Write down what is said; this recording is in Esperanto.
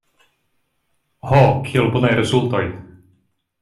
Ho, kiel bonaj rezultoj!